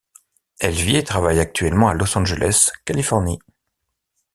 Elle vit et travaille actuellement à Los Angeles, Californie.